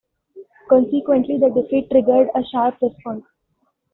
Consequently, the defeat triggered a sharp response.